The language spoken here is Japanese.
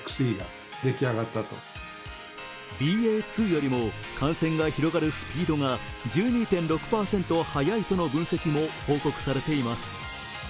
ＢＡ．２よりも感染が広がるスピードが１２．６％速いとの分析も報告されています。